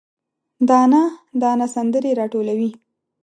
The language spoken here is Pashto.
دانه، دانه سندرې، راټولوي